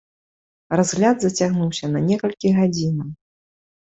Разгляд зацягнуўся на некалькі гадзінаў.